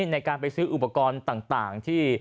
ในการไปซื้ออุปกรณ์ต่างที่